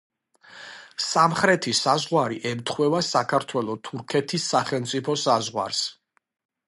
სამხრეთი საზღვარი ემთხვევა საქართველო-თურქეთის სახელმწიფო საზღვარს.